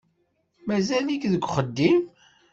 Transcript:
Mazal-ik deg uxeddim?